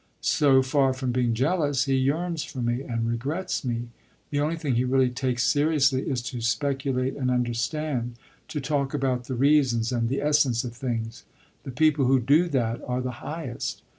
So far from being jealous he yearns for me and regrets me. The only thing he really takes seriously is to speculate and understand, to talk about the reasons and the essence of things: the people who do that are the highest.